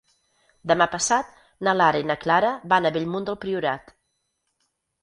Demà passat na Lara i na Clara van a Bellmunt del Priorat.